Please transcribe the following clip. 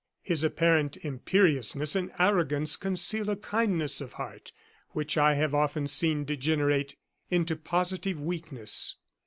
His apparent imperiousness and arrogance conceal a kindness of heart which I have often seen degenerate into positive weakness.